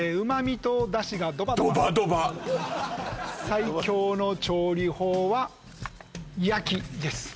最強の調理法は「焼き」です